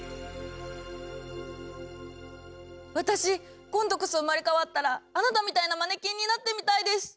私今度こそ生まれ変わったらあなたみたいなマネキンになってみたいです。